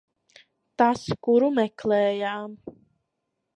Tas, kuru meklējām.